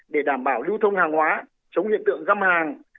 để đảm bảo lưu thông hàng hóa chống hiện tượng găm hàng